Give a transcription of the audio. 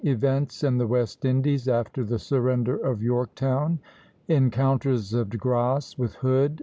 EVENTS IN THE WEST INDIES AFTER THE SURRENDER OF YORKTOWN ENCOUNTERS OF DE GRASSE WITH HOOD.